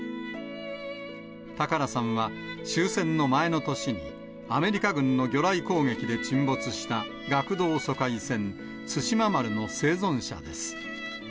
高良さんは、終戦の前の年に、アメリカ軍の魚雷攻撃で沈没した学童疎開船、対馬丸の生存者です。